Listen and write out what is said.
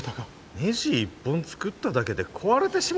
ねじ１本作っただけで壊れてしもた？